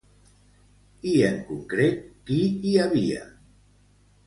I en concret, qui hi havia?